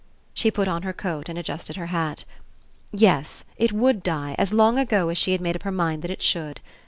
She put on her coat and adjusted her hat. Yes, it would die, as long ago she had made up her mind that it should.